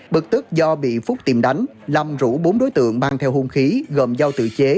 bực tức do bị phúc tìm đánh lâm rủ bốn đối tượng mang theo hung khí gồm giao tự chế